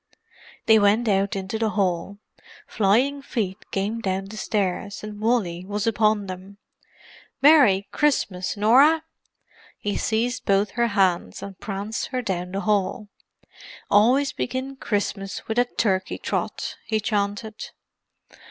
They went out into the hall. Flying feet came down the stairs, and Wally was upon them. "Merry Christmas, Norah!" He seized both her hands and pranced her down the hall. "Always begin Christmas with a turkey trot!" he chanted.